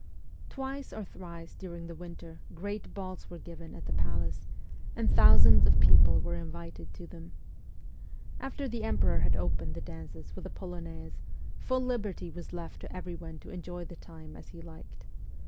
Twice or thrice during the winter great balls were given at the palace, and thousands of people were invited to them. After the emperor had opened the dances with a polonaise, full liberty was left to every one to enjoy the time as he liked.